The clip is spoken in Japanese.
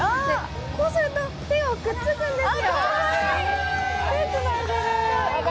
こうすると、手がくっつくんですよ。